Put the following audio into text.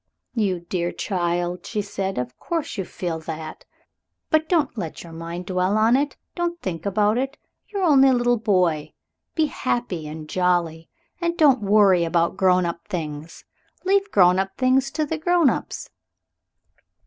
"You dear child!" she said; "of course you feel that. But don't let your mind dwell on it. Don't think about it. You're only a little boy. Be happy and jolly, and don't worry about grown up things. Leave grown up things to the grown ups."